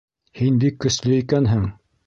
Һин бик көслө икәнһең.